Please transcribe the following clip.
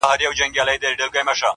له عطاره دوکان پاته سو هک پک سو!